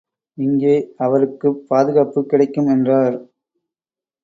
இங்கே அவருக்குப் பாதுகாப்புக் கிடைக்கும் என்றார்.